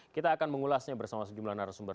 kita akan mengulasnya bersama sejumlah narasumber